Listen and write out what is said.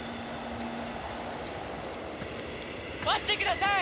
待ってください！